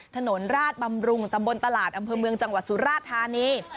ถนนราชบำรุงตำบลตลาดอำเภอเมืองจังหวัดสุราธานี